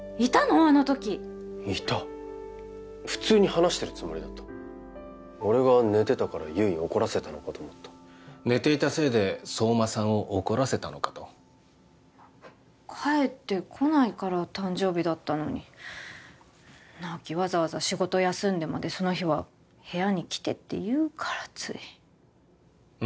あの時いた普通に話してるつもりだった俺が寝てたから悠依を怒らせたのかと思った寝ていたせいで相馬さんを怒らせたのかと帰ってこないから誕生日だったのに直木わざわざ仕事休んでまでその日は部屋に来てって言うからついうんっ？